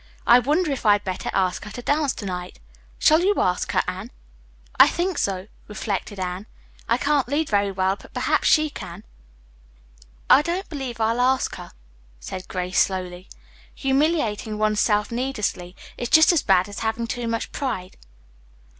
I wonder if I'd better ask her to dance to night. Shall you ask her, Anne?" "I think so," reflected Anne. "I can't lead very well, but perhaps she can." "I don't believe I'll ask her," said Grace slowly. "Humiliating one's self needlessly is just as bad as having too much pride."